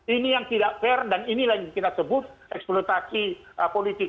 ini yang tidak fair dan ini lagi kita sebut eksploitasi politik